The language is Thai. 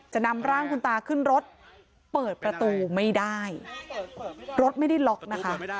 จะนำร่างคุณตาขึ้นรถเปิดประตูไม่ได้รถไม่ได้ล็อกนะคะ